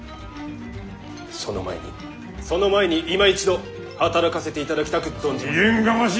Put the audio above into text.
その前にその前にいま一度働かせていただきたく存じまする！